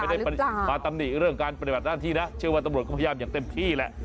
ไม่ได้มาตำหนิเรื่องการปฏิบัติหน้าที่นะเชื่อว่าตำรวจก็พยายามอย่างเต็มที่แหละ